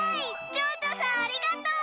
ちょうちょさんありがとう！